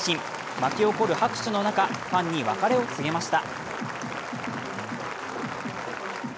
巻き起こる拍手の中、ファンに別れを告げました。